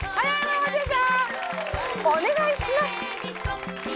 お願いします！